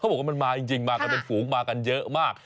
บอกว่ามันมาจริงมากันเป็นฝูงมากันเยอะมาก